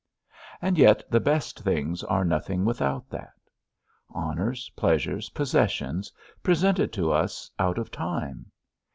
and yet the best things are nothing without that. Honours, pleasures, possessions, presented to us out of time?